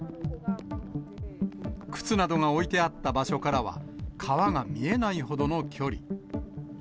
靴などが置いてあった場所からは、川が見えないほどの距離。